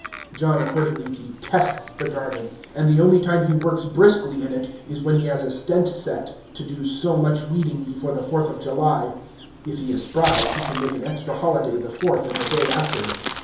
John accordingly detests the garden; and the only time he works briskly in it is when he has a stent set, to do so much weeding before the Fourth of July. If he is spry, he can make an extra holiday the Fourth and the day after.